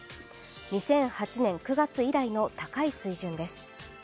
２００８年９月以来の高い水準です。